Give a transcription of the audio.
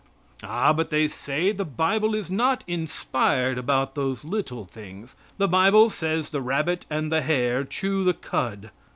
Ah, but they say the Bible is not inspired about those little things. The Bible says the rabbit and the hare chew the cud.